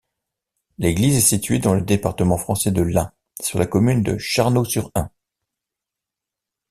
L'église est située dans le département français de l'Ain, sur la commune de Charnoz-sur-Ain.